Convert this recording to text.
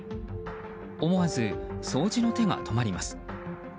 思わず掃除の手が止まります。